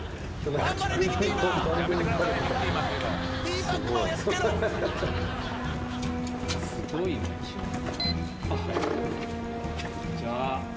こんにちは。